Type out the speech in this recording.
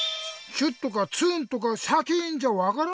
シュッとかツーンとかシャキーンじゃわからないよ。